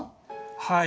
はい。